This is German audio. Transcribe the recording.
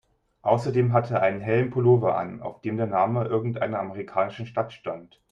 Außerdem hatte er einen hellen Pullover an, auf dem der Name irgendeiner amerikanischen Stadt stand.